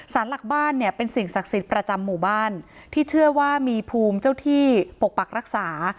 สารหลักบ้านเนี่ยเป็นสิ่งศักดิ์สิทธิ์ประจำหมู่บ้านที่เชื่อว่ามีภูมิเจ้าที่ปกปักรักษา